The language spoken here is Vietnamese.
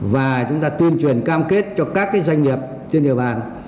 và chúng ta tuyên truyền cam kết cho các doanh nghiệp trên địa bàn